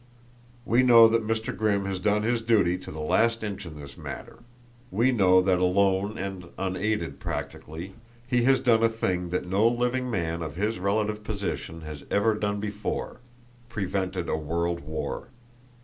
We know that Mr. Grimm has done his duty to the last inch in this matter; we know that alone and unaided, practically, he has done a thing that no living man of his relative position has ever done before prevented a world war.